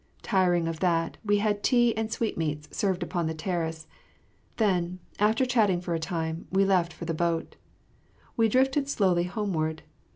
Tiring of that, we had tea and sweetmeats served upon the terrace; then, after chatting for a time, we left for the boat. We drifted slowly homeward.